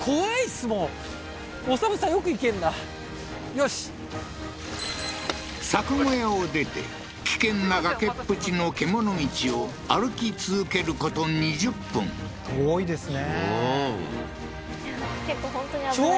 よし作小屋を出て危険な崖っぷちの獣道を歩き続けること２０分遠いですね